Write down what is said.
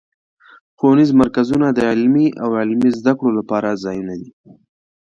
ښوونیز مرکزونه د علمي او عملي زدهکړو لپاره ځایونه دي.